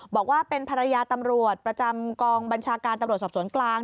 บอกว่าเป็นภรรยาตำรวจประจำกองบัญชาการตำรวจสอบสวนกลาง